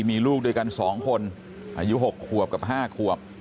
มีลูกด้วยกัน๒คนอายุ๖ขวบกับ๕ขวบ